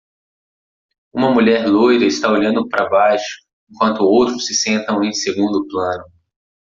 Uma mulher loira está olhando para baixo, enquanto outros se sentam em segundo plano.